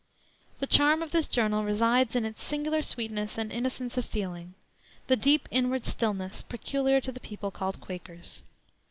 The charm of this journal resides in its singular sweetness and innocence cf feeling, the "deep inward stillness" peculiar to the people called Quakers.